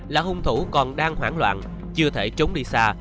là hung thủ còn đang hoảng loạn chưa thể trốn đi xa